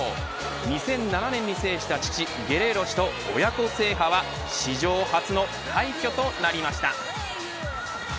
２００７年に制した父ゲレーロ氏と親子制覇は史上初の快挙となりました。